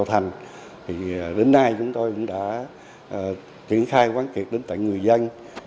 thì đến nay chúng tôi cũng đã trực khai quán kịp đến tại người dân